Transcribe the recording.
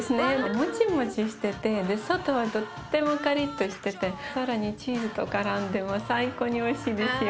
モチモチしてて外はとってもカリッとしてて更にチーズとからんでもう最高においしいですよ。